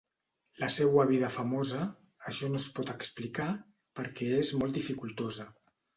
La seua vida famosa, això no es pot explicar, perquè és molt dificultosa.